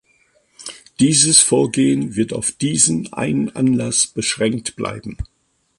Dieses Vorgehen wird auf diesen einen Anlass beschränkt bleiben.